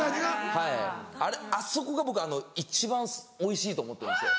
はいあそこが僕一番おいしいと思ってるんですよ。